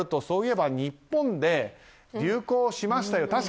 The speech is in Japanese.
そういえば日本で流行しましたよと。